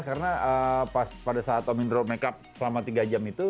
karena pada saat om indro makeup selama tiga jam itu